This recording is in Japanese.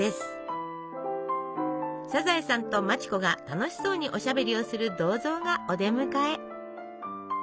サザエさんと町子が楽しそうにおしゃべりをする銅像がお出迎え。